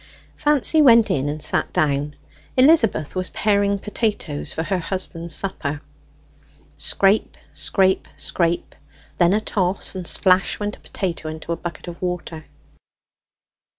Fancy went in and sat down. Elizabeth was paring potatoes for her husband's supper. Scrape, scrape, scrape; then a toss, and splash went a potato into a bucket of water.